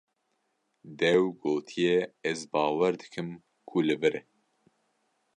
Dêw gotiye: Ez bawer dikim ku li vir e.